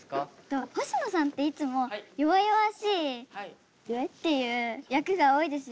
ほしのさんっていつも弱々しいっていう役が多いですよね？